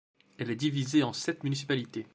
Elle est divisée en sept municipalités.